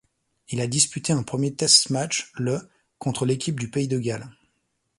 Il a disputé un premier test match le contre l'équipe du Pays de Galles.